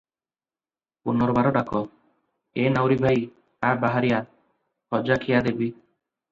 ପୁନର୍ବାର ଡାକ "ଏ ନାଉରି ଭାଇ, ଆ ବାହାରି ଆ, ଖଜାଖିଆ ଦେବି ।"